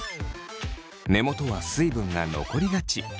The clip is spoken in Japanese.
根元は水分が残りがち。